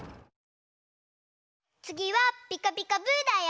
つぎは「ピカピカブ！」だよ。